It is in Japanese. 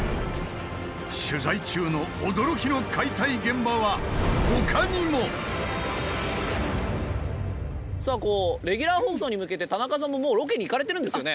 取材中の驚きの解体現場は他にも！さあレギュラー放送に向けて田中さんももうロケに行かれてるんですよね？